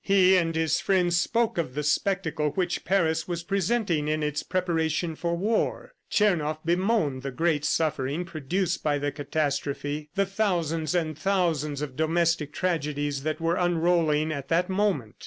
He and his friends spoke of the spectacle which Paris was presenting in its preparation for war. Tchernoff bemoaned the great suffering produced by the catastrophe, the thousands and thousands of domestic tragedies that were unrolling at that moment.